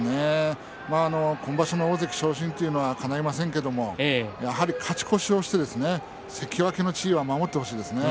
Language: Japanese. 今場所の大関昇進というのはかないませんけれどもやはり勝ち越しをして関脇の地位を守ってほしいですね。